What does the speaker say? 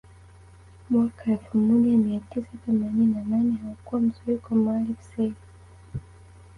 Mwaka elfu moja mia tisa themanini na nane haukuwa mzuri kwa Maalim Seif